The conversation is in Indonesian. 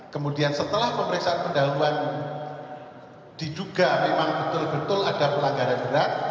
kemudian setelah pemeriksaan pendahuluan diduga memang betul betul ada pelanggaran berat